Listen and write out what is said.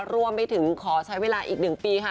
รวมไปถึงขอใช้เวลาอีก๑ปีค่ะ